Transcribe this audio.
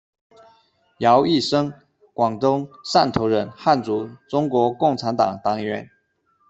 姚奕生，广东汕头人，汉族，中国共产党党员。